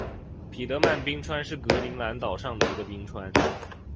彼得曼冰川是格陵兰岛上的一个冰川。